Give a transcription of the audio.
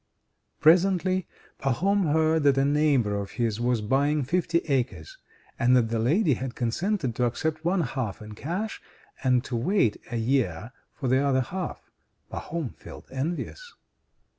Presently Pahom heard that a neighbor of his was buying fifty acres, and that the lady had consented to accept one half in cash and to wait a year for the other half. Pahom felt envious.